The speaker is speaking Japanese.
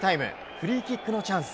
フリーキックのチャンス。